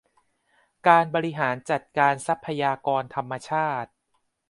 การบริหารจัดการทรัพยากรธรรมชาติ